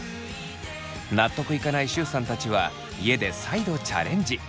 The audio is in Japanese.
納得いかないしゅうさんたちは家で再度チャレンジ！